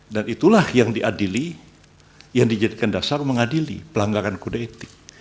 dan itulah yang diadili yang dijadikan dasar mengadili pelanggaran kode etik